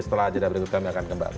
setelah jeda berikut kami akan kembali